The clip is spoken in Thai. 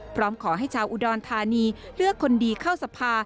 พร้อมขอให้ชาวอุดรธานีเลือกคนดีเข้าสภา